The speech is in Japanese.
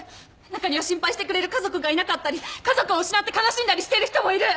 中には心配してくれる家族がいなかったり家族を失って悲しんだりしている人もいる。